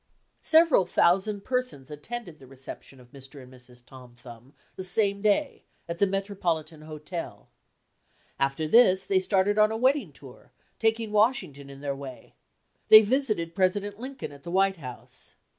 Several thousand persons attended the reception of Mr. and Mrs. Tom Thumb the same day at the Metropolitan Hotel. After this they started on a wedding tour, taking Washington in their way. They visited President Lincoln at the White House.